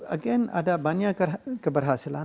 again ada banyak keberhasilan